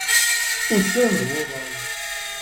Ussan d wuḍan.